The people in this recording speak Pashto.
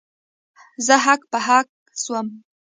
زه هک پک سوم.